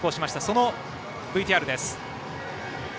そのＶＴＲです。